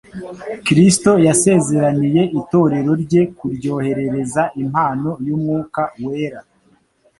Kristo yasezeraniye itorero rye kuryoherereza impano y'Umwuka wera,